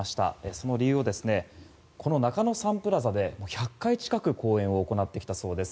その理由をこの中野サンプラザで１００回近く公演を行ってきたそうです